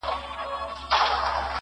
د زړه په كور كي دي بل كور جوړكړی.